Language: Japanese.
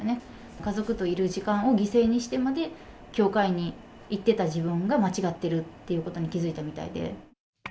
家族といる時間を犠牲にしてまで、教会に行ってた自分が間違ってるっていうことに気付いたみたいで。